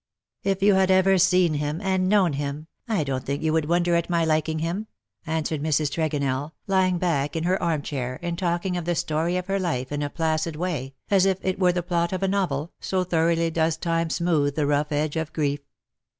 ^^" If you had ever seen him and known him, I don^t think you would wonder at my liking him/' answered Mrs. Tregonell, lying back in her arm chair, and talking of the story of her life in a placid way, as if it were the plot of a novel, so thoroughly does time smooth the rough edge of grief.